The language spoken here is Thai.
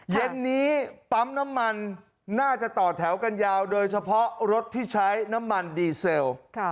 เย็นนี้ปั๊มน้ำมันน่าจะต่อแถวกันยาวโดยเฉพาะรถที่ใช้น้ำมันดีเซล